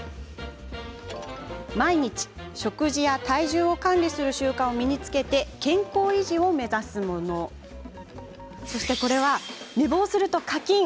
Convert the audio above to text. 毎日、食事や体重を管理する習慣を身につけて健康維持を目指すもの。寝坊すると課金！